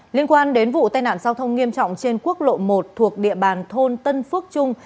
liên quan đến vụ tai nạn giao thông nghiêm trọng trên quốc lộ một thuộc địa bàn thôn tân phước trung